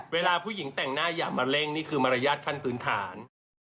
เวลาผู้หญิงแต่งหน้าอย่ามาเร่งนี่คือมารยาทขั้นพื้นฐาน